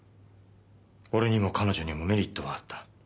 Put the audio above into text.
俺にも彼女にもメリットはあった。